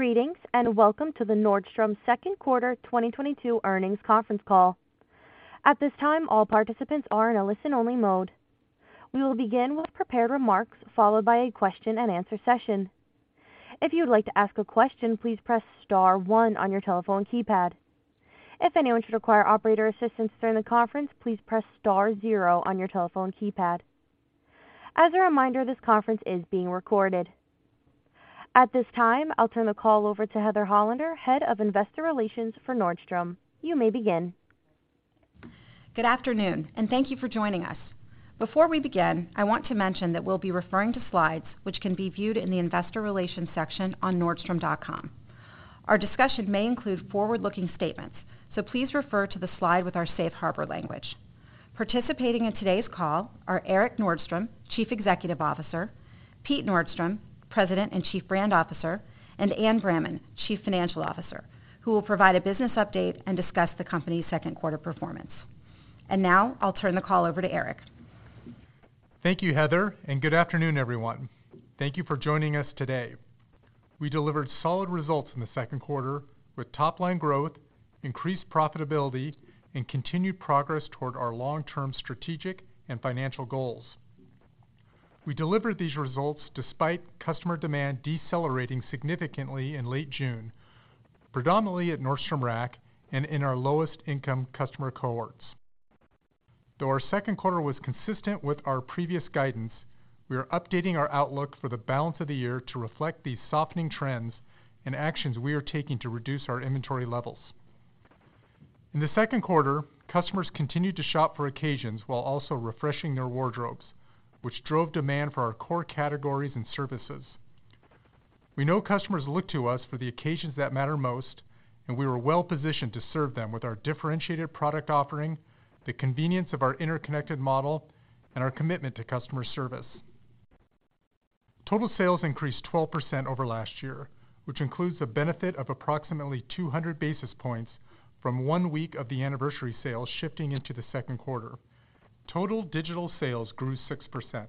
Greetings, and welcome to the Nordstrom Second Quarter 2022 Earnings Conference Call. At this time, all participants are in a listen-only mode. We will begin with prepared remarks, followed by a question-and-answer session. If you'd like to ask a question, please press star one on your telephone keypad. If anyone should require operator assistance during the conference, please press star zero on your telephone keypad. As a reminder, this conference is being recorded. At this time, I'll turn the call over to Heather, Head of Investor Relations for Nordstrom. You may begin. Good afternoon, and thank you for joining us. Before we begin, I want to mention that we'll be referring to slides, which can be viewed in the investor relations section on nordstrom.com. Our discussion may include forward-looking statements, so please refer to the slide with our safe harbor language. Participating in today's call are Erik Nordstrom, Chief Executive Officer, Pete Nordstrom, President and Chief Brand Officer, and Anne Bramman, Chief Financial Officer, who will provide a business update and discuss the company's second quarter performance. Now, I'll turn the call over to Erik. Thank you, Heather, and good afternoon, everyone. Thank you for joining us today. We delivered solid results in the second quarter with top-line growth, increased profitability, and continued progress toward our long-term strategic and financial goals. We delivered these results despite customer demand decelerating significantly in late June, predominantly at Nordstrom Rack and in our lowest income customer cohorts. Though our second quarter was consistent with our previous guidance, we are updating our outlook for the balance of the year to reflect these softening trends and actions we are taking to reduce our inventory levels. In the second quarter, customers continued to shop for occasions while also refreshing their wardrobes, which drove demand for our core categories and services. We know customers look to us for the occasions that matter most, and we were well-positioned to serve them with our differentiated product offering, the convenience of our interconnected model, and our commitment to customer service. Total sales increased 12% over last year, which includes the benefit of approximately 200 basis points from one week of the Anniversary Sale shifting into the second quarter. Total digital sales grew 6%.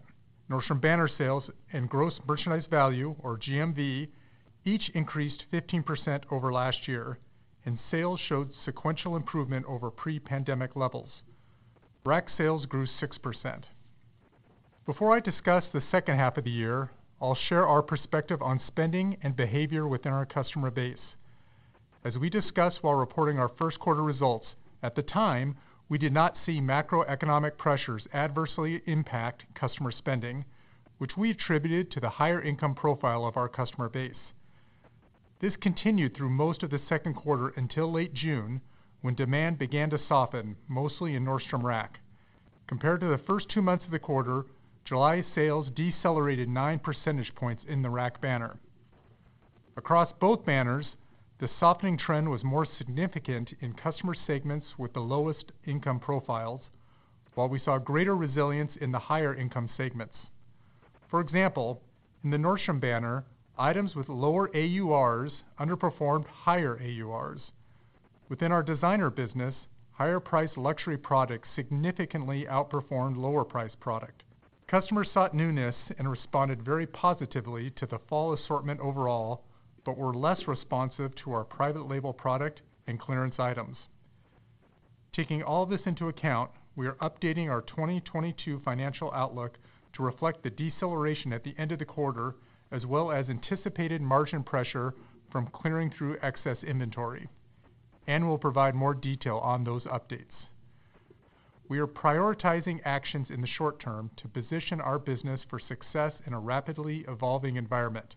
Nordstrom banner sales and gross merchandise value or GMV each increased 15% over last year, and sales showed sequential improvement over pre-pandemic levels. Rack sales grew 6%. Before I discuss the second half of the year, I'll share our perspective on spending and behavior within our customer base. As we discussed while reporting our first quarter results, at the time, we did not see macroeconomic pressures adversely impact customer spending, which we attributed to the higher income profile of our customer base. This continued through most of the second quarter until late June, when demand began to soften, mostly in Nordstrom Rack. Compared to the first two months of the quarter, July sales decelerated 9 percentage points in the Rack banner. Across both banners, the softening trend was more significant in customer segments with the lowest income profiles, while we saw greater resilience in the higher income segments. For example, in the Nordstrom banner, items with lower AURs underperformed higher AURs. Within our designer business, higher-priced luxury products significantly outperformed lower-priced product. Customers sought newness and responded very positively to the fall assortment overall, but were less responsive to our private label product and clearance items. Taking all this into account, we are updating our 2022 financial outlook to reflect the deceleration at the end of the quarter, as well as anticipated margin pressure from clearing through excess inventory, and we'll provide more detail on those updates. We are prioritizing actions in the short term to position our business for success in a rapidly evolving environment.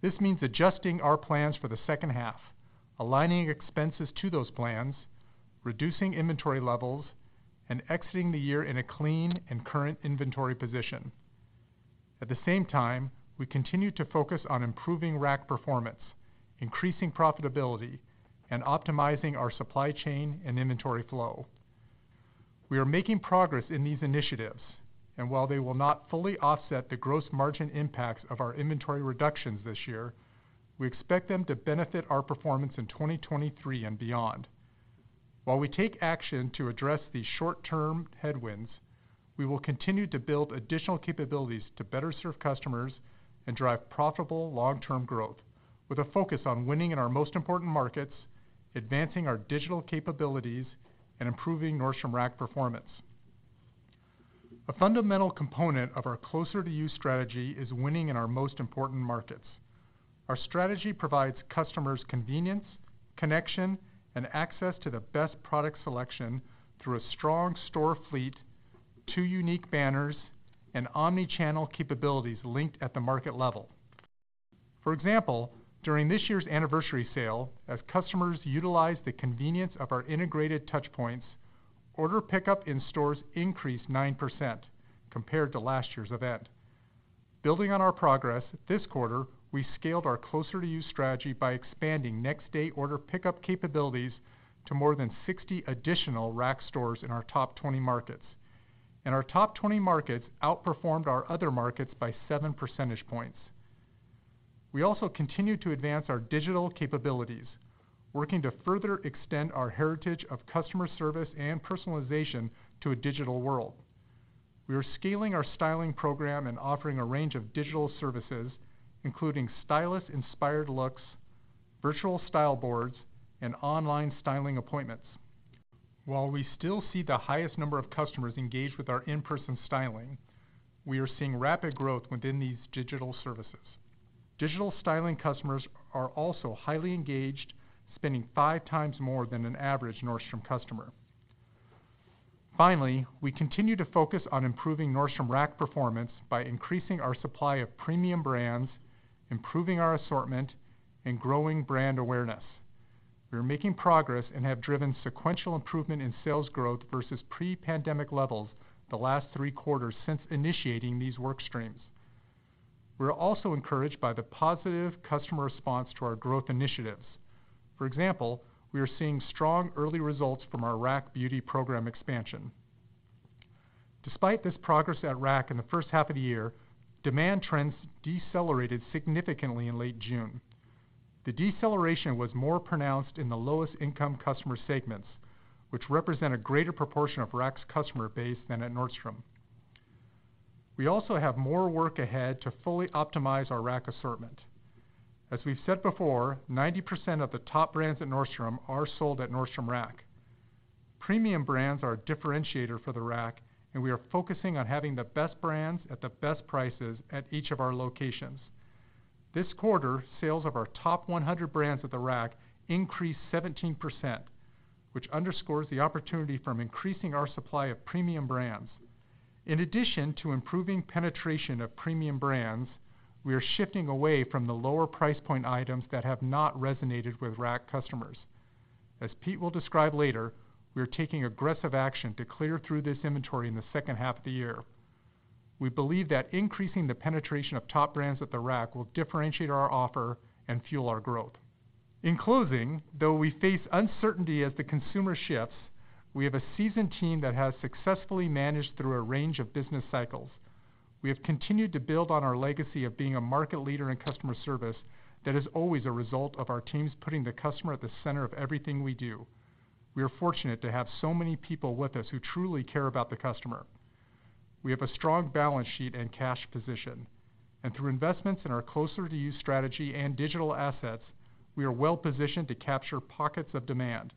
This means adjusting our plans for the second half, aligning expenses to those plans, reducing inventory levels, and exiting the year in a clean and current inventory position. At the same time, we continue to focus on improving Rack performance, increasing profitability, and optimizing our supply chain and inventory flow. We are making progress in these initiatives, and while they will not fully offset the gross margin impacts of our inventory reductions this year, we expect them to benefit our performance in 2023 and beyond. While we take action to address these short-term headwinds, we will continue to build additional capabilities to better serve customers and drive profitable long-term growth with a focus on winning in our most important markets, advancing our digital capabilities, and improving Nordstrom Rack performance. A fundamental component of our Closer to You strategy is winning in our most important markets. Our strategy provides customers convenience, connection, and access to the best product selection through a strong store fleet, two unique banners, and omni-channel capabilities linked at the market level. For example, during this year's Anniversary Sale, as customers utilized the convenience of our integrated touch points, order pickup in stores increased 9% compared to last year's event. Building on our progress, this quarter, we scaled our Closer to You strategy by expanding next day order pickup capabilities to more than 60 additional Rack stores in our top 20 markets. Our top 20 markets outperformed our other markets by 7 percentage points. We also continued to advance our digital capabilities, working to further extend our heritage of customer service and personalization to a digital world. We are scaling our styling program and offering a range of digital services, including stylist-inspired looks, virtual style boards, and online styling appointments. While we still see the highest number of customers engaged with our in-person styling, we are seeing rapid growth within these digital services. Digital styling customers are also highly engaged, spending 5x more than an average Nordstrom customer. Finally, we continue to focus on improving Nordstrom Rack performance by increasing our supply of premium brands, improving our assortment, and growing brand awareness. We're making progress and have driven sequential improvement in sales growth versus pre-pandemic levels the last three quarters since initiating these work streams. We're also encouraged by the positive customer response to our growth initiatives. For example, we are seeing strong early results from our Rack Beauty program expansion. Despite this progress at Rack in the first half of the year, demand trends decelerated significantly in late June. The deceleration was more pronounced in the lowest-income customer segments, which represent a greater proportion of Rack's customer base than at Nordstrom. We also have more work ahead to fully optimize our Rack assortment. As we've said before, 90% of the top brands at Nordstrom are sold at Nordstrom Rack. Premium brands are a differentiator for the Rack, and we are focusing on having the best brands at the best prices at each of our locations. This quarter, sales of our top 100 brands at the Rack increased 17%, which underscores the opportunity from increasing our supply of premium brands. In addition to improving penetration of premium brands, we are shifting away from the lower price point items that have not resonated with Rack customers. As Pete will describe later, we are taking aggressive action to clear through this inventory in the second half of the year. We believe that increasing the penetration of top brands at the Rack will differentiate our offer and fuel our growth. In closing, though we face uncertainty as the consumer shifts, we have a seasoned team that has successfully managed through a range of business cycles. We have continued to build on our legacy of being a market leader in customer service that is always a result of our teams putting the customer at the center of everything we do. We are fortunate to have so many people with us who truly care about the customer. We have a strong balance sheet and cash position. Through investments in our Closer to You strategy and digital assets, we are well-positioned to capture pockets of demand.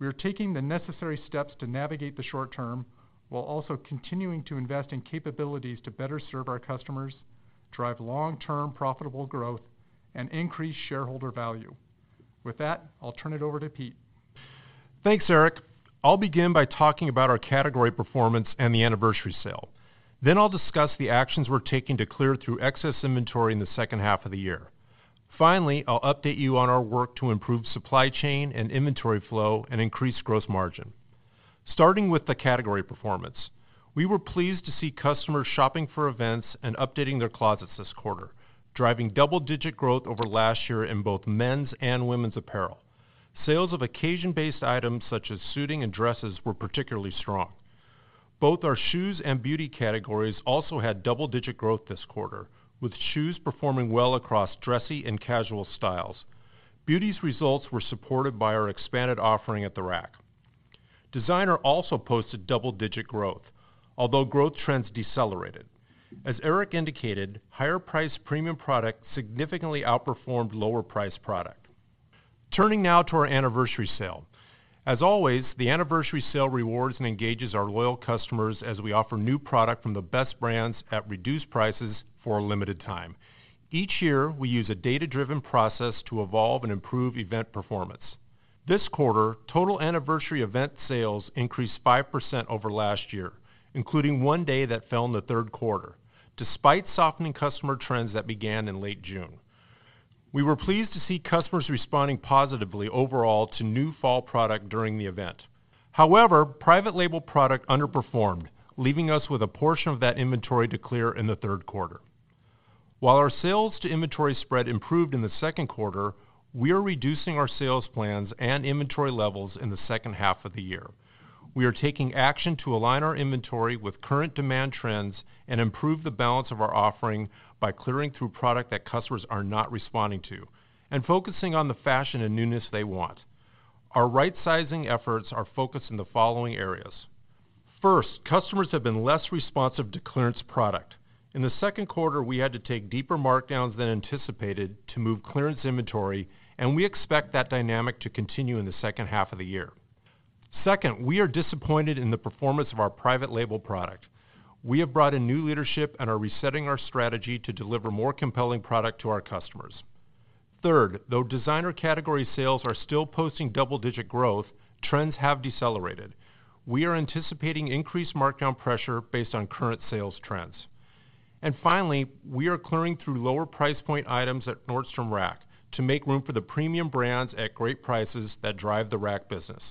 We are taking the necessary steps to navigate the short term while also continuing to invest in capabilities to better serve our customers, drive long-term profitable growth, and increase shareholder value. With that, I'll turn it over to Pete. Thanks, Erik. I'll begin by talking about our category performance and the Anniversary Sale. I'll discuss the actions we're taking to clear through excess inventory in the second half of the year. Finally, I'll update you on our work to improve supply chain and inventory flow and increase gross margin. Starting with the category performance, we were pleased to see customers shopping for events and updating their closets this quarter, driving double-digit growth over last year in both men's and women's apparel. Sales of occasion-based items such as suiting and dresses were particularly strong. Both our shoes and beauty categories also had double-digit growth this quarter, with shoes performing well across dressy and casual styles. Beauty's results were supported by our expanded offering at the Rack. Designer also posted double-digit growth, although growth trends decelerated. As Erik indicated, higher-priced premium product significantly outperformed lower-priced product. Turning now to our Anniversary Sale. As always, the Anniversary Sale rewards and engages our loyal customers as we offer new product from the best brands at reduced prices for a limited time. Each year, we use a data-driven process to evolve and improve event performance. This quarter, total anniversary event sales increased 5% over last year, including one day that fell in the third quarter, despite softening customer trends that began in late June. We were pleased to see customers responding positively overall to new fall product during the event. However, private label product underperformed, leaving us with a portion of that inventory to clear in the third quarter. While our sales to inventory spread improved in the second quarter, we are reducing our sales plans and inventory levels in the second half of the year. We are taking action to align our inventory with current demand trends and improve the balance of our offering by clearing through product that customers are not responding to and focusing on the fashion and newness they want. Our right-sizing efforts are focused in the following areas. First, customers have been less responsive to clearance product. In the second quarter, we had to take deeper markdowns than anticipated to move clearance inventory, and we expect that dynamic to continue in the second half of the year. Second, we are disappointed in the performance of our private label product. We have brought in new leadership and are resetting our strategy to deliver more compelling product to our customers. Third, though designer category sales are still posting double-digit growth, trends have decelerated. We are anticipating increased markdown pressure based on current sales trends. Finally, we are clearing through lower price point items at Nordstrom Rack to make room for the premium brands at great prices that drive the Rack business.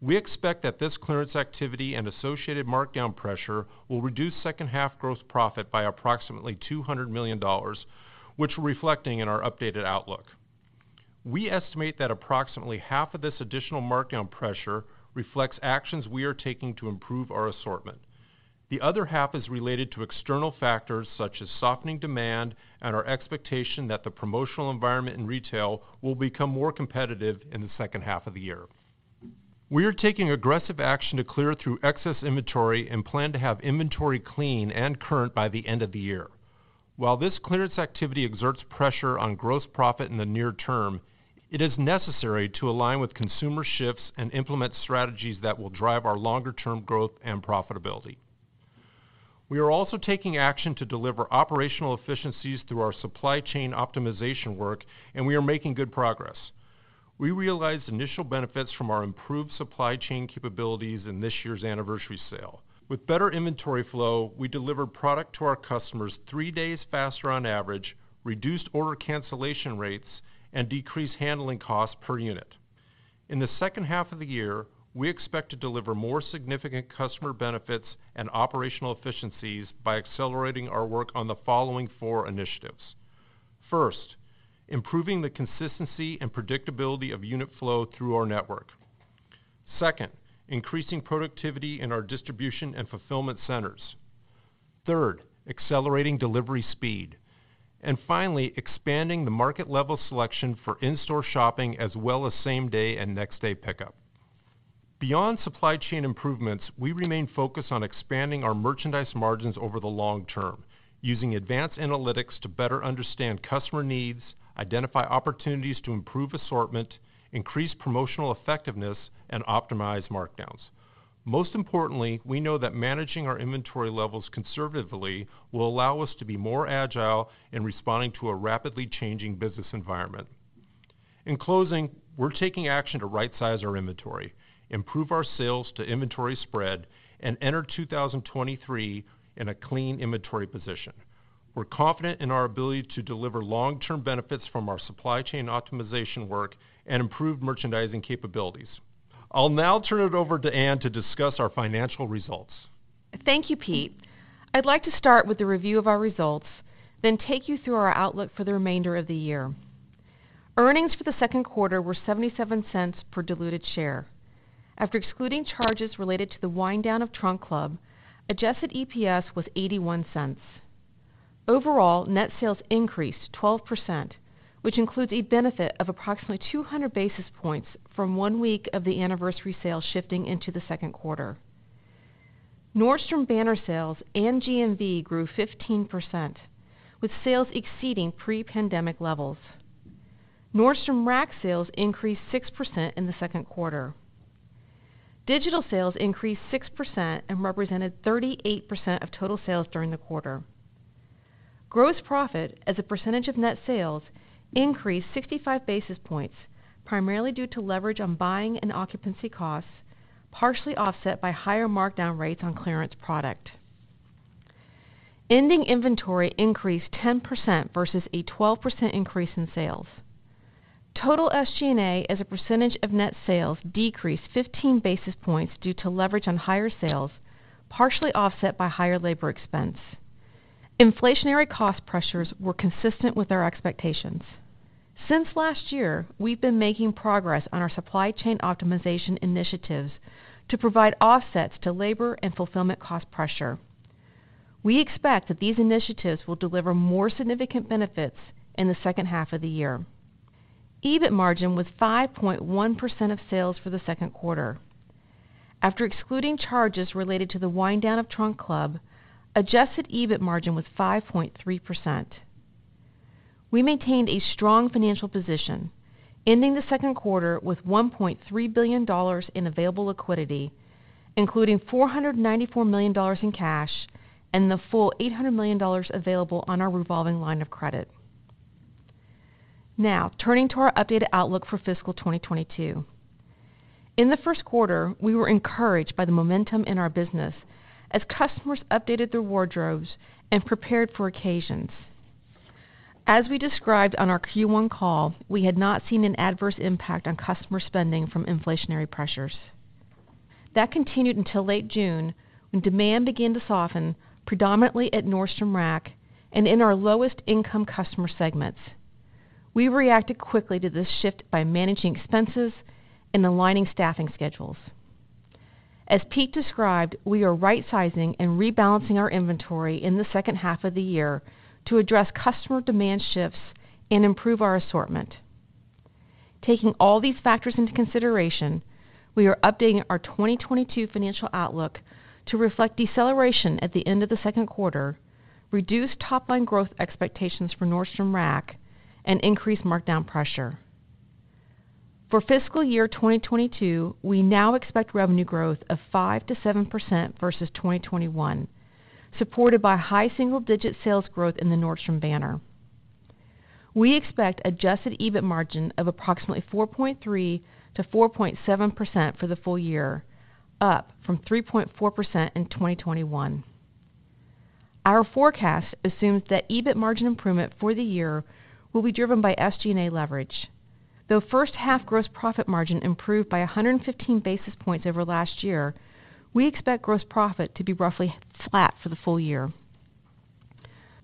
We expect that this clearance activity and associated markdown pressure will reduce second half growth profit by approximately $200 million, which we're reflecting in our updated outlook. We estimate that approximately half of this additional markdown pressure reflects actions we are taking to improve our assortment. The other half is related to external factors such as softening demand and our expectation that the promotional environment in retail will become more competitive in the second half of the year. We are taking aggressive action to clear through excess inventory and plan to have inventory clean and current by the end of the year. While this clearance activity exerts pressure on gross profit in the near term, it is necessary to align with consumer shifts and implement strategies that will drive our longer term growth and profitability. We are also taking action to deliver operational efficiencies through our supply chain optimization work, and we are making good progress. We realized initial benefits from our improved supply chain capabilities in this year's Anniversary Sale. With better inventory flow, we delivered product to our customers three days faster on average, reduced order cancellation rates, and decreased handling costs per unit. In the second half of the year, we expect to deliver more significant customer benefits and operational efficiencies by accelerating our work on the following four initiatives. First, improving the consistency and predictability of unit flow through our network. Second, increasing productivity in our distribution and fulfillment centers. Third, accelerating delivery speed, and finally, expanding the market level selection for in-store shopping as well as same day and next day pickup. Beyond supply chain improvements, we remain focused on expanding our merchandise margins over the long term using advanced analytics to better understand customer needs, identify opportunities to improve assortment, increase promotional effectiveness, and optimize markdowns. Most importantly, we know that managing our inventory levels conservatively will allow us to be more agile in responding to a rapidly changing business environment. In closing, we're taking action to right-size our inventory, improve our sales to inventory spread, and enter 2023 in a clean inventory position. We're confident in our ability to deliver long-term benefits from our supply chain optimization work and improved merchandising capabilities. I'll now turn it over to Anne to discuss our financial results. Thank you, Pete. I'd like to start with a review of our results, then take you through our outlook for the remainder of the year. Earnings for the second quarter were $0.77 per diluted share. After excluding charges related to the wind down of Trunk Club, Adjusted EPS was $0.81. Overall, net sales increased 12%, which includes a benefit of approximately 200 basis points from one week of the Anniversary Sale shifting into the second quarter. Nordstrom banner sales and GMV grew 15% with sales exceeding pre-pandemic levels. Nordstrom Rack sales increased 6% in the second quarter. Digital sales increased 6% and represented 38% of total sales during the quarter. Gross profit as a percentage of net sales increased 65 basis points, primarily due to leverage on buying and occupancy costs, partially offset by higher markdown rates on clearance product. Ending inventory increased 10% versus a 12% increase in sales. Total SG&A as a percentage of net sales decreased 15 basis points due to leverage on higher sales, partially offset by higher labor expense. Inflationary cost pressures were consistent with our expectations. Since last year, we've been making progress on our supply chain optimization initiatives to provide offsets to labor and fulfillment cost pressure. We expect that these initiatives will deliver more significant benefits in the second half of the year. EBIT margin was 5.1% of sales for the second quarter. After excluding charges related to the wind down of Trunk Club, Adjusted EBIT margin was 5.3%. We maintained a strong financial position, ending the second quarter with $1.3 billion in available liquidity, including $494 million in cash and the full $800 million available on our revolving line of credit. Now turning to our updated outlook for fiscal 2022. In the first quarter, we were encouraged by the momentum in our business as customers updated their wardrobes and prepared for occasions. As we described on our Q1 call, we had not seen an adverse impact on customer spending from inflationary pressures. That continued until late June, when demand began to soften predominantly at Nordstrom Rack and in our lowest income customer segments. We reacted quickly to this shift by managing expenses and aligning staffing schedules. As Pete described, we are rightsizing and rebalancing our inventory in the second half of the year to address customer demand shifts and improve our assortment. Taking all these factors into consideration, we are updating our 2022 financial outlook to reflect deceleration at the end of the second quarter, reduce top line growth expectations for Nordstrom Rack, and increase markdown pressure. For fiscal year 2022, we now expect revenue growth of 5%-7% versus 2021, supported by high single-digit sales growth in the Nordstrom banner. We expect Adjusted EBIT margin of approximately 4.3%-4.7% for the full year, up from 3.4% in 2021. Our forecast assumes that EBIT margin improvement for the year will be driven by SG&A leverage. Though first half gross profit margin improved by 115 basis points over last year, we expect gross profit to be roughly flat for the full year.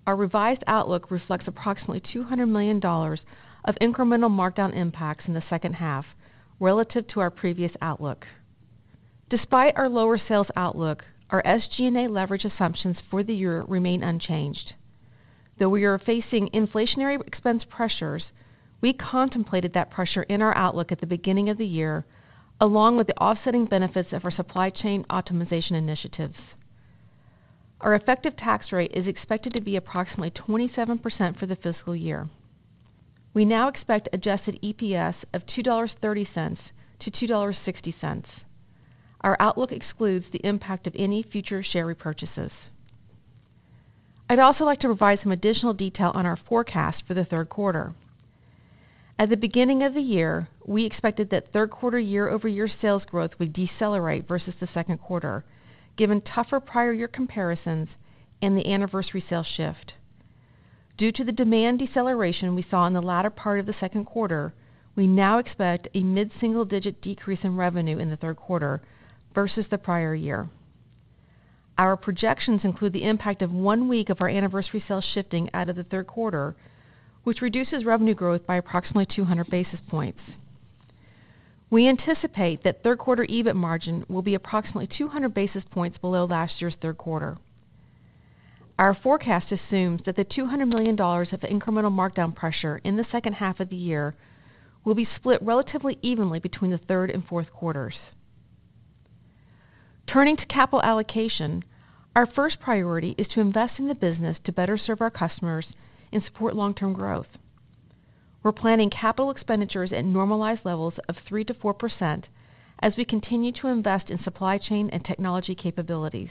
Our revised outlook reflects approximately $200 million of incremental markdown impacts in the second half relative to our previous outlook. Despite our lower sales outlook, our SG&A leverage assumptions for the year remain unchanged. Though we are facing inflationary expense pressures, we contemplated that pressure in our outlook at the beginning of the year, along with the offsetting benefits of our supply chain optimization initiatives. Our effective tax rate is expected to be approximately 27% for the fiscal year. We now expect Adjusted EPS of $2.30-$2.60. Our outlook excludes the impact of any future share repurchases. I'd also like to provide some additional detail on our forecast for the third quarter. At the beginning of the year, we expected that third quarter YoY sales growth would decelerate versus the second quarter, given tougher prior year comparisons and the Anniversary Sales shift. Due to the demand deceleration we saw in the latter part of the second quarter, we now expect a mid-single-digit decrease in revenue in the third quarter versus the prior year. Our projections include the impact of one week of our Anniversary Sales shifting out of the third quarter, which reduces revenue growth by approximately 200 basis points. We anticipate that third quarter EBIT margin will be approximately 200 basis points below last year's third quarter. Our forecast assumes that the $200 million of the incremental markdown pressure in the second half of the year will be split relatively evenly between the third and fourth quarters. Turning to capital allocation, our first priority is to invest in the business to better serve our customers and support long-term growth. We're planning capital expenditures at normalized levels of 3%-4% as we continue to invest in supply chain and technology capabilities.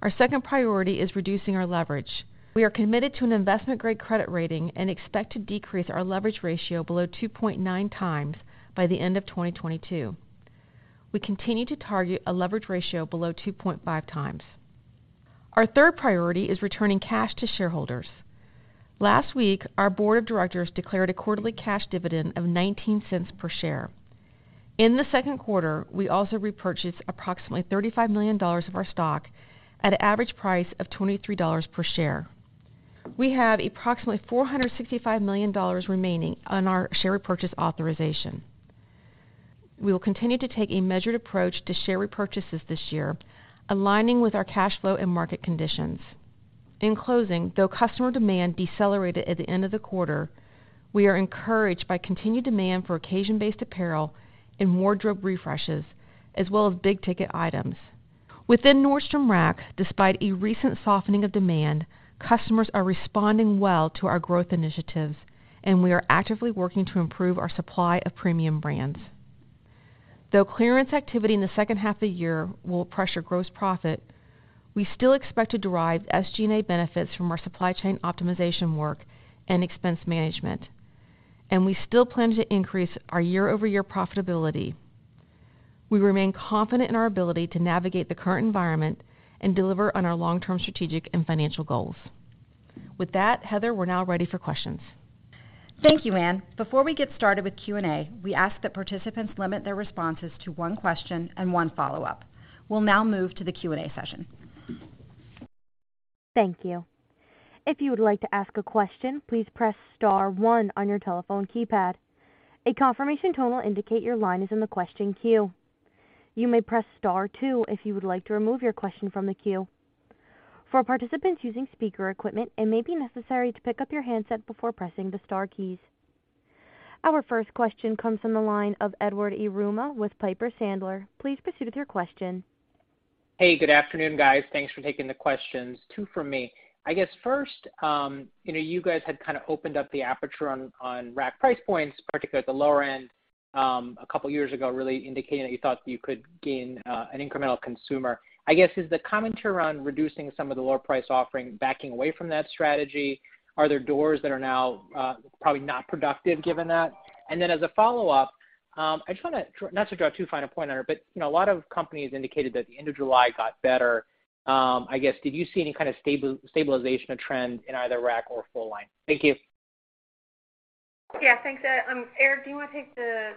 Our second priority is reducing our leverage. We are committed to an investment-grade credit rating and expect to decrease our leverage ratio below 2.9x by the end of 2022. We continue to target a leverage ratio below 2.5x. Our third priority is returning cash to shareholders. Last week, our board of directors declared a quarterly cash dividend of $0.19 per share. In the second quarter, we also repurchased approximately $35 million of our stock at an average price of $23 per share. We have approximately $465 million remaining on our share repurchase authorization. We will continue to take a measured approach to share repurchases this year, aligning with our cash flow and market conditions. In closing, though customer demand decelerated at the end of the quarter, we are encouraged by continued demand for occasion-based apparel and wardrobe refreshes, as well as big-ticket items. Within Nordstrom Rack, despite a recent softening of demand, customers are responding well to our growth initiatives, and we are actively working to improve our supply of premium brands. Though clearance activity in the second half of the year will pressure gross profit, we still expect to derive SG&A benefits from our supply chain optimization work and expense management. We still plan to increase our YoY profitability. We remain confident in our ability to navigate the current environment and deliver on our long-term strategic and financial goals. With that, Heather, we're now ready for questions. Thank you, Anne. Before we get started with Q&A, we ask that participants limit their responses to one question and one follow-up. We'll now move to the Q&A session. Thank you. If you would like to ask a question, please press star one on your telephone keypad. A confirmation tone will indicate your line is in the question queue. You may press star two if you would like to remove your question from the queue. For participants using speaker equipment, it may be necessary to pick up your handset before pressing the star keys. Our first question comes from the line of Edward Yruma with Piper Sandler. Please proceed with your question. Hey, good afternoon, guys. Thanks for taking the questions. Two from me. I guess first, you know, you guys had kind of opened up the aperture on Rack price points, particularly at the lower end, a couple of years ago, really indicating that you thought you could gain an incremental consumer. I guess is the commentary around reducing some of the lower price offering backing away from that strategy? Are there doors that are now probably not productive given that? And then as a follow-up, I just wanna not to draw too fine a point on it, but, you know, a lot of companies indicated that the end of July got better. I guess did you see any kind of stabilization of trend in either Rack or full line? Thank you. Yeah, thanks, Edward. Erik, do you wanna take the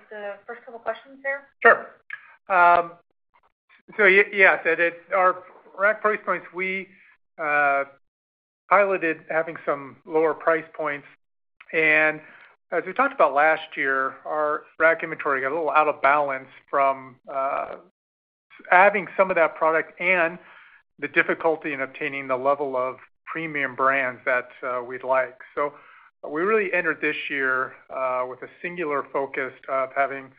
first couple questions there? Sure. So yes, Edward. At our Rack price points, we piloted having some lower price points. As we talked about last year, our Rack inventory got a little out of balance from adding some of that product and the difficulty in obtaining the level of premium brands that we'd like. We really entered this year with a singular focus of having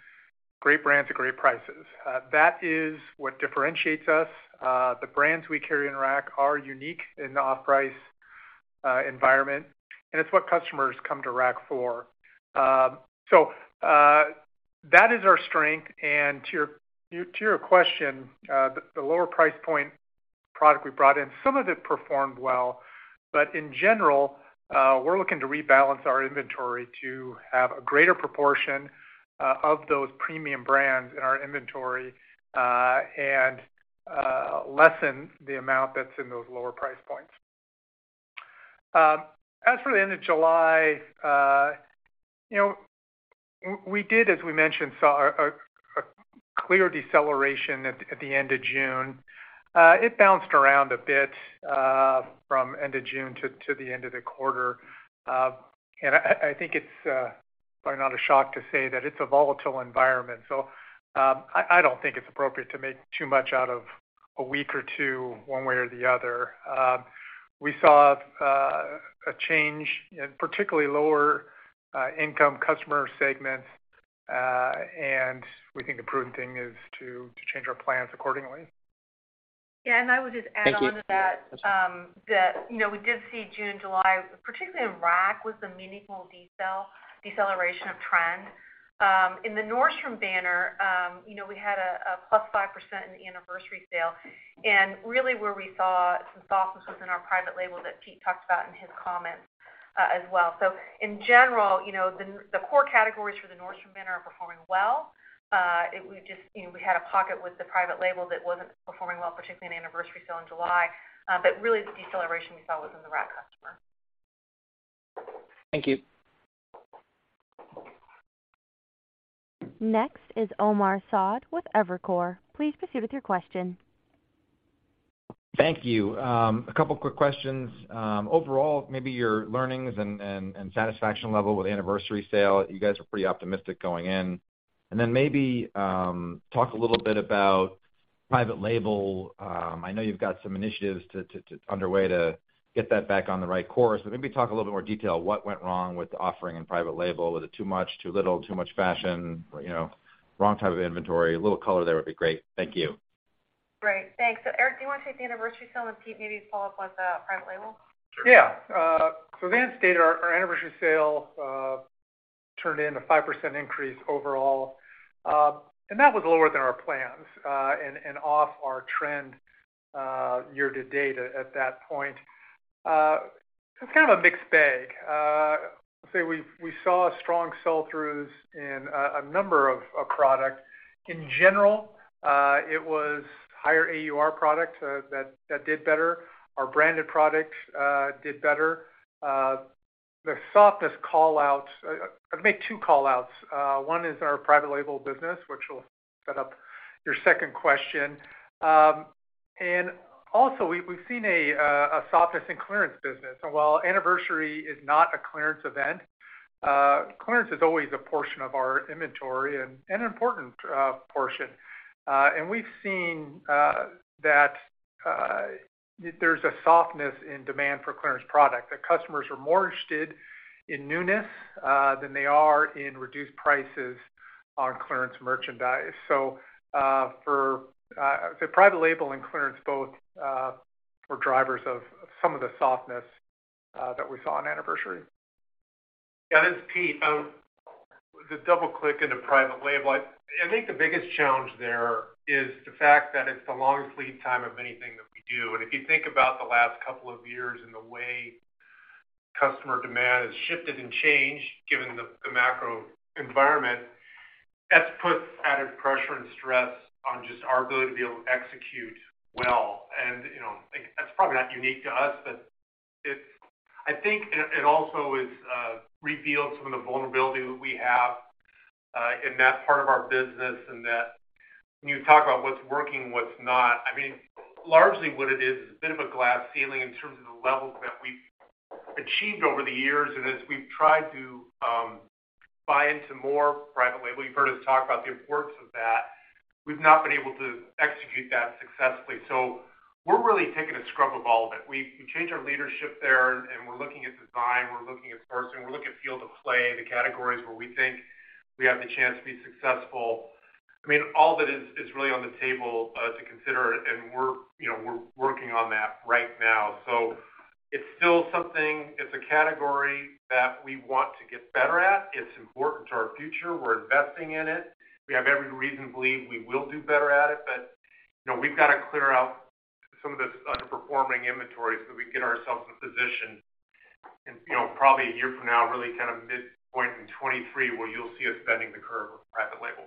great brands at great prices. That is what differentiates us. The brands we carry in Rack are unique in the off-price environment, and it's what customers come to Rack for. That is our strength. To your question, the lower price point product we brought in, some of it performed well. But in general, we're looking to rebalance our inventory to have a greater proportion of those premium brands in our inventory and lessen the amount that's in those lower price points. As for the end of July, you know, as we mentioned, we saw a clear deceleration at the end of June. It bounced around a bit, from end of June to the end of the quarter. I think it's probably not a shock to say that it's a volatile environment. I don't think it's appropriate to make too much out of a week or two one way or the other. We saw a change in particularly lower income customer segments, and we think the prudent thing is to change our plans accordingly. Yeah. I would just add on to that, you know, we did see June, July, particularly in Rack, was the meaningful deceleration of trend. In the Nordstrom banner, you know, we had a plus 5% in Anniversary Sale, and really where we saw some softness was in our private label that Pete talked about in his comments, as well. In general, you know, the core categories for the Nordstrom banner are performing well. We just, you know, we had a pocket with the private label that wasn't performing well, particularly in Anniversary Sale in July. But really the deceleration we saw was in the Rack customer. Thank you. Next is Omar Saad with Evercore. Please proceed with your question. Thank you. A couple of quick questions. Overall, maybe your learnings and satisfaction level with Anniversary Sale. You guys are pretty optimistic going in. Then maybe talk a little bit about private label. I know you've got some initiatives underway to get that back on the right course. But maybe talk a little bit more detail what went wrong with the offering in private label. Was it too much, too little, too much fashion, you know, wrong type of inventory? A little color there would be great. Thank you. Great. Thanks. Erik, do you wanna take the Anniversary Sale, and Pete, maybe follow up with private label? Yeah. So as Anne stated, our Anniversary sale turned in a 5% increase overall. That was lower than our plans, and off our trend year-to-date at that point. It's kind of a mixed bag. We saw strong sell-throughs in a number of products. In general, it was higher AUR products that did better. Our branded products did better. The softness call-out. I'll make two call-outs. One is our private label business, which will set up your second question. Also we've seen a softness in clearance business. While Anniversary is not a clearance event, clearance is always a portion of our inventory and an important portion. We've seen that there's a softness in demand for clearance product, that customers are more interested in newness than they are in reduced prices on clearance merchandise. For say, private label and clearance both, were drivers of some of the softness that we saw on Anniversary. Yeah, this is Pete. To double-click into private label, I think the biggest challenge there is the fact that it's the longest lead time of anything that we do. If you think about the last couple of years and the way customer demand has shifted and changed given the macro environment, that's put added pressure and stress on just our ability to be able to execute well. You know, that's probably not unique to us, but I think it also is revealed some of the vulnerability that we have in that part of our business and that when you talk about what's working, what's not, I mean, largely what it is a bit of a glass ceiling in terms of the levels that we've achieved over the years. As we've tried to buy into more private label, you've heard us talk about the importance of that. We've not been able to execute that successfully. We're really taking a scrub of all of it. We changed our leadership there, and we're looking at design, we're looking at sourcing, we're looking at field of play, the categories where we think we have the chance to be successful. I mean, all that is really on the table to consider, and we're, you know, we're working on that right now. It's still something. It's a category that we want to get better at. It's important to our future. We're investing in it. We have every reason to believe we will do better at it. You know, we've got to clear out some of this underperforming inventory so we can get ourselves in position. You know, probably a year from now, really kind of midpoint in 2023, where you'll see us bending the curve with private label.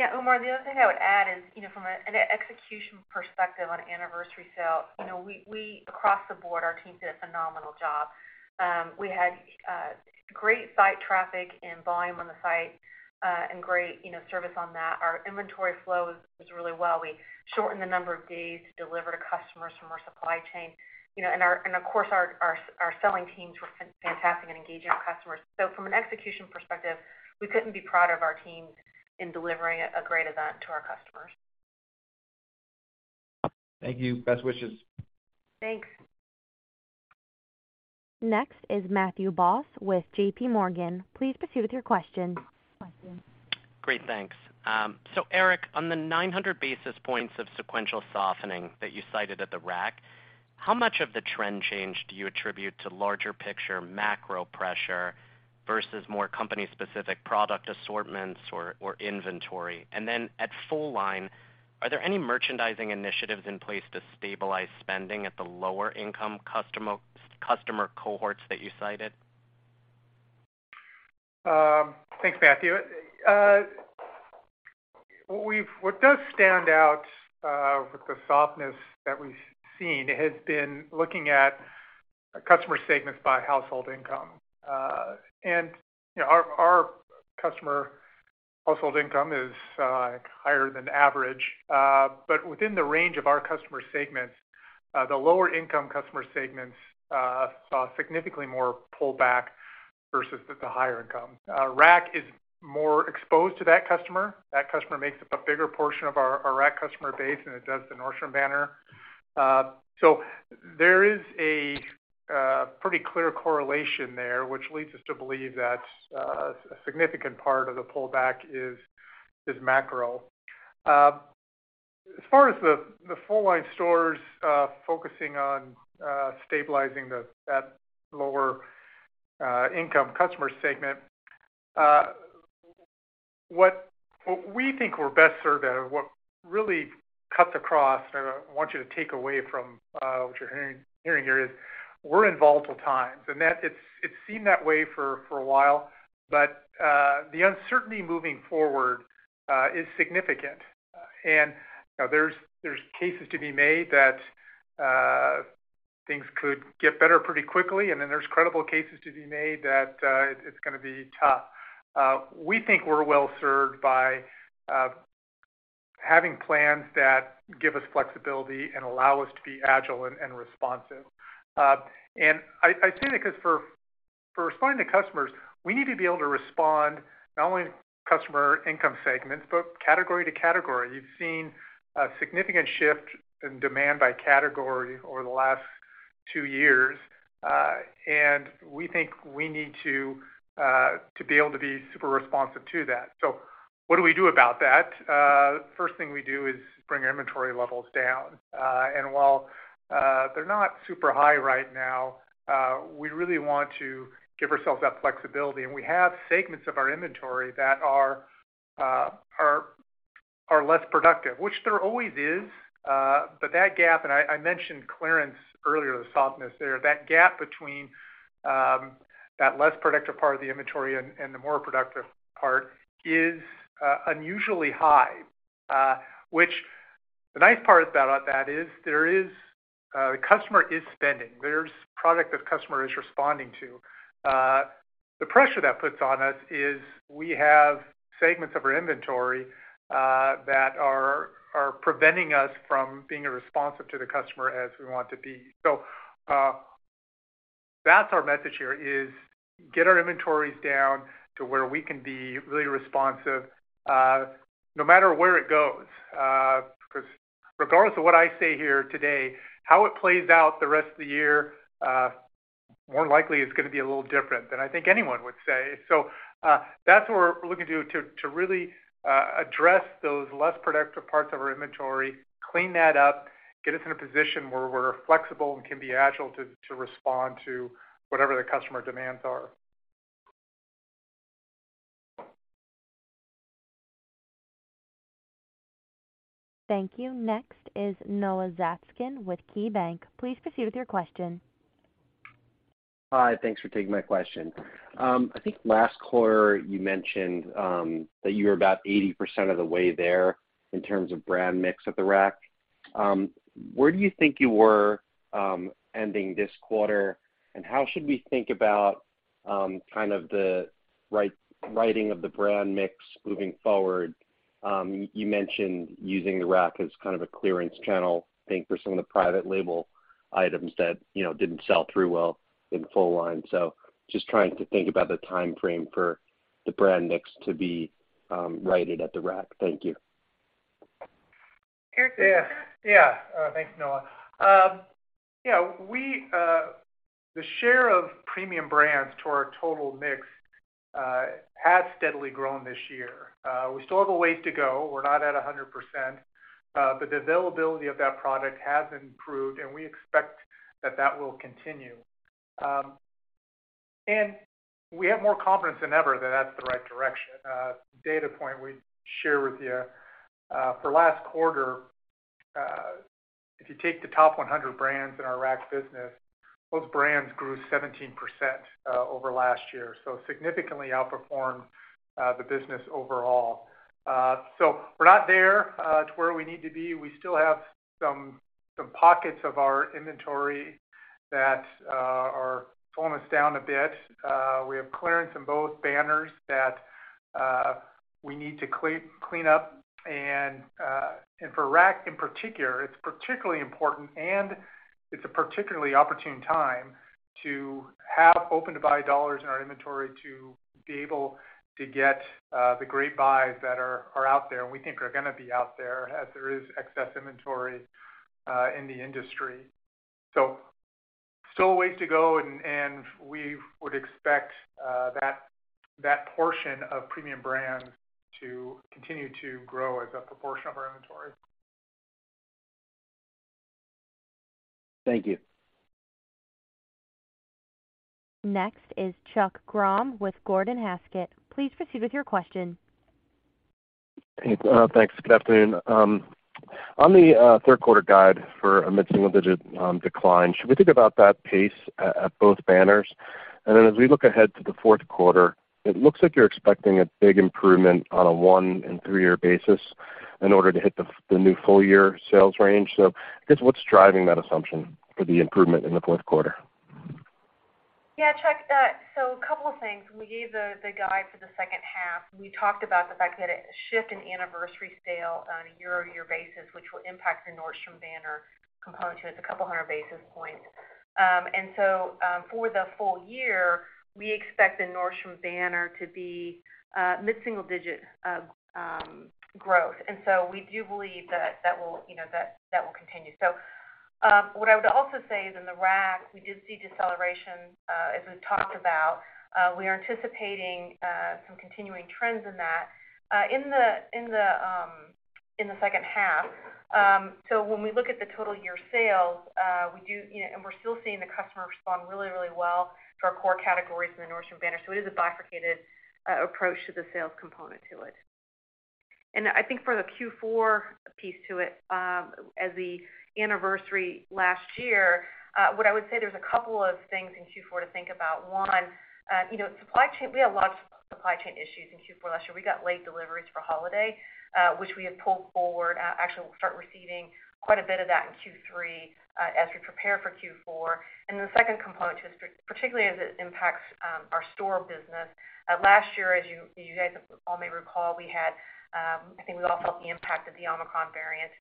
Yeah. Omar, the other thing I would add is, you know, from an execution perspective on Anniversary Sale, you know, we across the board, our team did a phenomenal job. We had great site traffic and volume on the site, and great, you know, service on that. Our inventory flow was really well. We shortened the number of days to deliver to customers from our supply chain. You know, and of course, our selling teams were fantastic in engaging our customers. From an execution perspective, we couldn't be prouder of our team in delivering a great event to our customers. Thank you. Best wishes. Thanks. Next is Matthew Boss with JPMorgan. Please proceed with your question. Great. Thanks. So Erik, on the 900 basis points of sequential softening that you cited at the Rack, how much of the trend change do you attribute to larger picture macro pressure versus more company specific product assortments or inventory? And then at full line, are there any merchandising initiatives in place to stabilize spending at the lower income customer cohorts that you cited? Thanks, Matthew. What does stand out with the softness that we've seen has been looking at customer segments by household income. You know, our customer household income is higher than average. Within the range of our customer segments, the lower income customer segments saw significantly more pullback versus the higher income. Rack is more exposed to that customer. That customer makes up a bigger portion of our Rack customer base than it does the Nordstrom banner. There is a pretty clear correlation there, which leads us to believe that a significant part of the pullback is macro. As far as the full line stores, focusing on stabilizing that lower income customer segment, what we think we're best served at or what really cuts across or want you to take away from what you're hearing here is we're in volatile times. That it's seemed that way for a while, but the uncertainty moving forward is significant. You know, there's cases to be made that things could get better pretty quickly, and then there's credible cases to be made that it's gonna be tough. We think we're well served by having plans that give us flexibility and allow us to be agile and responsive. I say that 'cause for responding to customers, we need to be able to respond not only to customer income segments, but category to category. You've seen a significant shift in demand by category over the last two years, and we think we need to be able to be super responsive to that. What do we do about that? First thing we do is bring our inventory levels down. While they're not super high right now, we really want to give ourselves that flexibility. We have segments of our inventory that are less productive, which there always is, but that gap. I mentioned clearance earlier, the softness there. That gap between that less productive part of the inventory and the more productive part is unusually high. The nice part about that is there is the customer is spending. There's product that customer is responding to. The pressure that puts on us is we have segments of our inventory that are preventing us from being as responsive to the customer as we want to be. That's our message here is get our inventories down to where we can be really responsive no matter where it goes. Because regardless of what I say here today, how it plays out the rest of the year, more than likely is gonna be a little different than I think anyone would say. That's what we're looking to really address those less productive parts of our inventory, clean that up, get us in a position where we're flexible and can be agile to respond to whatever the customer demands are. Thank you. Next is Noah Zatzkin with KeyBanc. Please proceed with your question. Hi, thanks for taking my question. I think last quarter you mentioned that you were about 80% of the way there in terms of brand mix at the Rack. Where do you think you were ending this quarter? How should we think about kind of the righting of the brand mix moving forward? You mentioned using the Rack as kind of a clearance channel, I think, for some of the private label items that, you know, didn't sell through well in full line. Just trying to think about the timeframe for the brand mix to be righted at the Rack. Thank you. Thanks, Noah. The share of premium brands to our total mix has steadily grown this year. We still have a way to go. We're not at 100%, but the availability of that product has improved, and we expect that that will continue. We have more confidence than ever that that's the right direction. Data point we'd share with you for last quarter, if you take the top 100 brands in our Rack business, those brands grew 17% over last year. Significantly outperformed the business overall. We're not there to where we need to be. We still have some pockets of our inventory that are almost down a bit. We have clearance in both banners that we need to clean up. For Rack in particular, it's particularly important, and it's a particularly opportune time to have open-to-buy dollars in our inventory to be able to get the great buys that are out there and we think are gonna be out there as there is excess inventory in the industry. Still a ways to go and we would expect that portion of premium brands to continue to grow as a proportion of our inventory. Thank you. Next is Chuck Grom with Gordon Haskett. Please proceed with your question. Hey, thanks. Good afternoon. On the third quarter guide for a mid-single digit decline, should we think about that pace at both banners? Then as we look ahead to the fourth quarter, it looks like you're expecting a big improvement on a one- and three-year basis in order to hit the new full year sales range. I guess, what's driving that assumption for the improvement in the fourth quarter? Yeah, Chuck. So a couple of things. When we gave the guide for the second half, we talked about the fact that a shift in Anniversary Sale on a YoY basis, which will impact the Nordstrom banner component to it, a couple hundred basis points. For the full year, we expect the Nordstrom banner to be mid-single digit growth. We do believe that will, you know, continue. What I would also say is in the Rack, we did see deceleration. As we've talked about, we are anticipating some continuing trends in that in the second half. When we look at the total year sales, we do, you know, and we're still seeing the customer respond really, really well to our core categories in the Nordstrom banner. It is a bifurcated approach to the sales component to it. I think for the Q4 piece to it, as the anniversary last year, what I would say there's a couple of things in Q4 to think about. One, you know, supply chain, we had a lot of supply chain issues in Q4 last year. We got late deliveries for holiday, which we have pulled forward. Actually, we'll start receiving quite a bit of that in Q3, as we prepare for Q4. Then the second component to this, particularly as it impacts, our store business. Last year, as you guys all may recall, we had, I think we all felt the impact of the Omicron variant,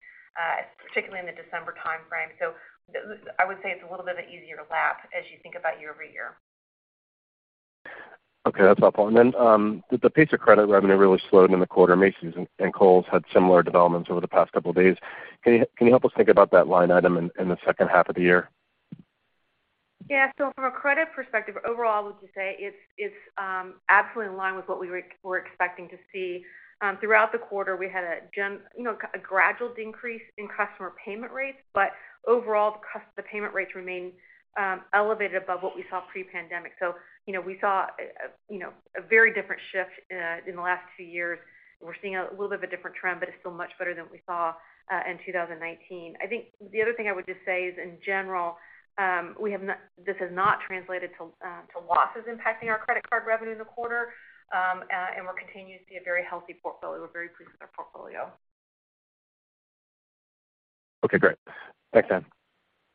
particularly in the December timeframe. I would say it's a little bit easier to lap as you think about YoY. Okay, that's helpful. Did the pace of credit revenue really slowed in the quarter? Macy's and Kohl's had similar developments over the past couple of days. Can you help us think about that line item in the second half of the year? Yeah from a credit perspective, overall, we could say it's absolutely in line with what we were expecting to see. Throughout the quarter, we had a gradual decrease in customer payment rates. Overall, the payment rates remain elevated above what we saw pre-pandemic. We saw a very different shift in the last few years. We're seeing a little bit of a different trend, but it's still much better than what we saw in 2019. I think the other thing I would just say is, in general, this has not translated to losses impacting our credit card revenue in the quarter. We're continuing to see a very healthy portfolio. We're very pleased with our portfolio. Okay, great. Thanks, Anne.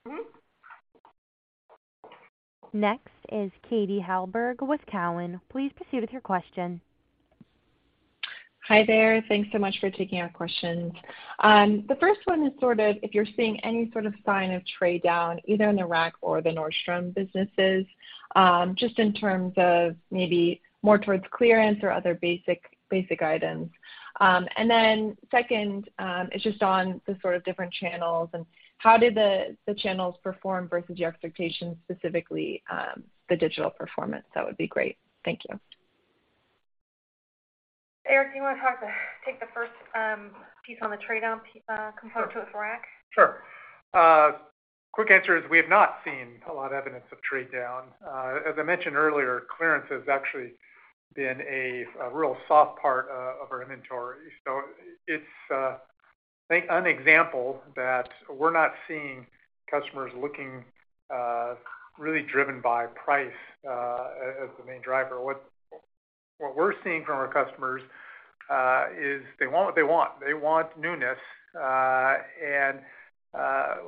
Mm-hmm. Next is Katharine Helberg with TD Cowen. Please proceed with your question. Hi there. Thanks so much for taking our questions. The first one is sort of if you're seeing any sort of sign of trade down, either in the Rack or the Nordstrom businesses, just in terms of maybe more towards clearance or other basic items. Second is just on the sort of different channels and how did the channels perform versus your expectations, specifically, the digital performance? That would be great. Thank you. Erik, do you wanna take the first piece on the trade down component with Rack? Sure. Quick answer is we have not seen a lot of evidence of trade down. As I mentioned earlier, clearance has actually been a real soft part of our inventory. It's an example that we're not seeing customers looking really driven by price as the main driver. What we're seeing from our customers is they want what they want. They want newness.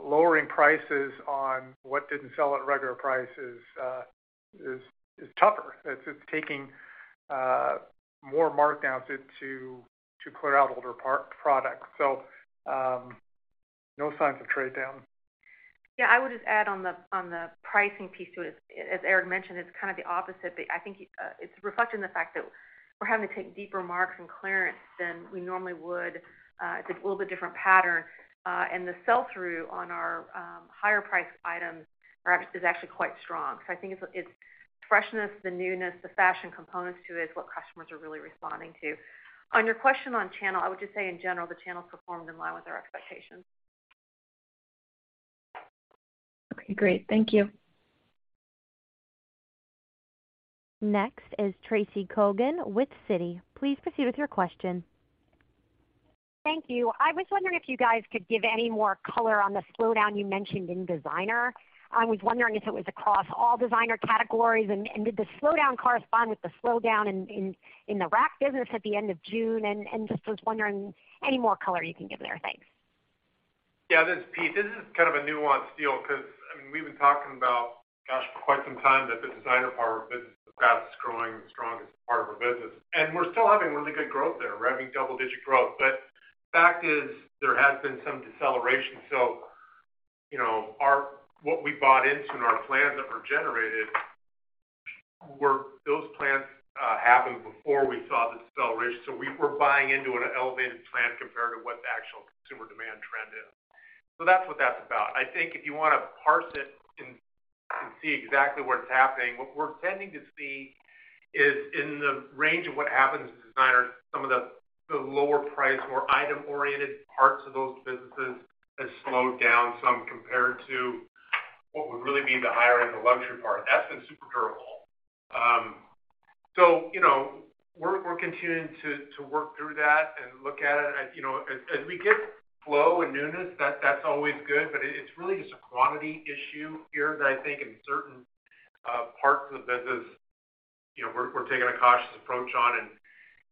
Lowering prices on what didn't sell at regular price is tougher. It's taking more markdowns to clear out older products. No signs of trade down. Yeah. I would just add on the pricing piece to it. As Erik mentioned, it's kind of the opposite, but I think it's reflecting the fact that we're having to take deeper marks and clearance than we normally would. It's a little bit different pattern. And the sell-through on our higher priced items is actually quite strong. So I think it's freshness, the newness, the fashion components to it is what customers are really responding to. On your question on channel, I would just say in general, the channels performed in line with our expectations. Okay, great. Thank you. Next is Tracy Kogan with Citi. Please proceed with your question. Thank you. I was wondering if you guys could give any more color on the slowdown you mentioned in designer. I was wondering if it was across all designer categories. Did the slowdown correspond with the slowdown in the Rack business at the end of June? Just was wondering any more color you can give there. Thanks. Yeah. This is Pete. This is kind of a nuanced deal 'cause, I mean, we've been talking about, gosh, for quite some time that the designer part of our business is the fastest growing, strongest part of our business, and we're still having really good growth there. We're having double digit growth. The fact is there has been some deceleration. You know, what we bought into in our plans that were generated were those plans happened before we saw the deceleration, so we were buying into an elevated plan compared to what the actual consumer demand trend is. That's what that's about. I think if you wanna parse it and see exactly where it's happening, what we're tending to see is in the range of what happens to designers, some of the lower priced, more item-oriented parts of those businesses has slowed down some compared to what would really be the higher end, the luxury part. That's been super durable. You know, we're continuing to work through that and look at it. You know, as we get flow and newness, that's always good, but it's really just a quantity issue here that I think in certain parts of the business. You know, we're taking a cautious approach on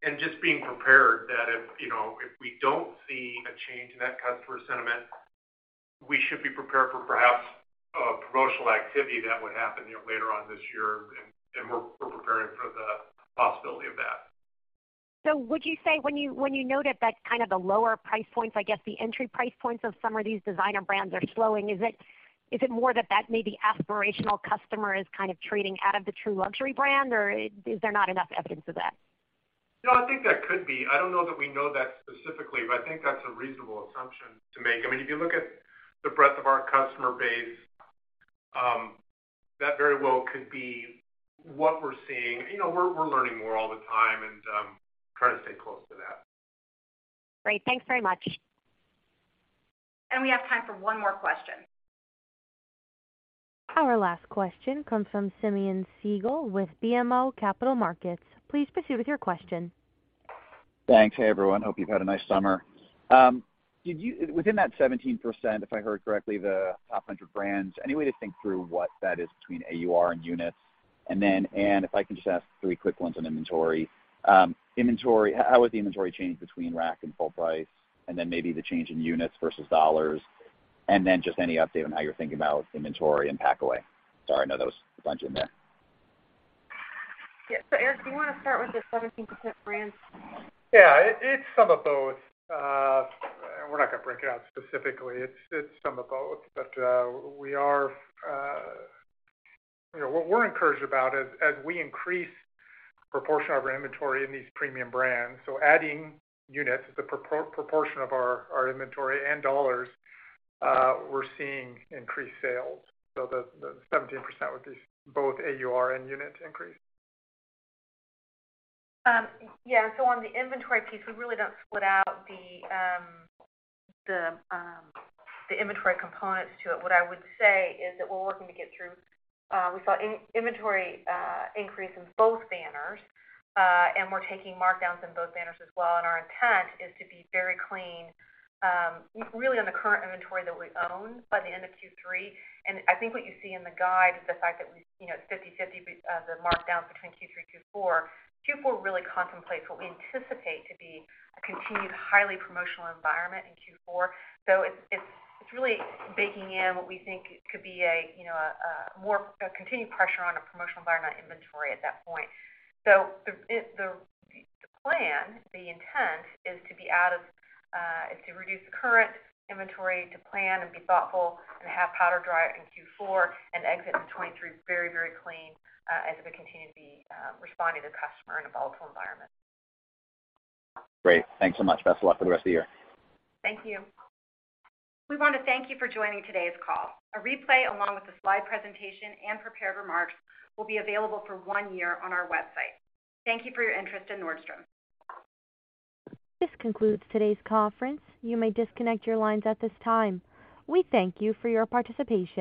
and just being prepared that if, you know, if we don't see a change in that customer sentiment, we should be prepared for perhaps a promotional activity that would happen, you know, later on this year. We're preparing for the possibility of that. Would you say when you noted that kind of the lower price points, I guess the entry price points of some of these designer brands are slowing, is it more that maybe aspirational customer is kind of trading out of the true luxury brand, or is there not enough evidence of that? No, I think that could be. I don't know that we know that specifically, but I think that's a reasonable assumption to make. I mean, if you look at the breadth of our customer base, that very well could be what we're seeing. You know, we're learning more all the time and try to stay close to that. Great. Thanks very much. We have time for one more question. Our last question comes from Simeon Siegel with BMO Capital Markets. Please proceed with your question. Thanks. Hey, everyone. Hope you've had a nice summer. Within that 17%, if I heard correctly, the top 100 brands, any way to think through what that is between AUR and units? Anne, if I can just ask three quick ones on inventory. Inventory, how has the inventory changed between rack and full price, and then maybe the change in units versus dollars? Just any update on how you're thinking about inventory and pack away. Sorry, I know that was a bunch in there. Yeah. Erik, do you wanna start with the 17% brands? Yeah. It's some of both. We're not gonna break it out specifically. It's some of both. You know, what we're encouraged about as we increase proportion of our inventory in these premium brands, so adding units as the proportion of our inventory and dollars, we're seeing increased sales. The 17% would be both AUR and units increase. On the inventory piece, we really don't split out the inventory components to it. What I would say is that we're working to get through, we saw inventory increase in both banners. We're taking markdowns in both banners as well. Our intent is to be very clean, really on the current inventory that we own by the end of Q3. I think what you see in the guide is the fact that we, you know, it's 50/50, the markdowns between Q3, Q4. Q4 really contemplates what we anticipate to be a continued highly promotional environment in Q4. It's really baking in what we think could be a, you know, a continued pressure on a promotional environment inventory at that point. The intent is to reduce the current inventory to plan and be thoughtful and have powder dry in Q4 and exit in 2023 very, very clean, as we continue to be responding to customer in a volatile environment. Great. Thanks so much. Best of luck for the rest of the year. Thank you. We wanna thank you for joining today's call. A replay along with the slide presentation and prepared remarks will be available for one year on our website. Thank you for your interest in Nordstrom. This concludes today's conference. You may disconnect your lines at this time. We thank you for your participation.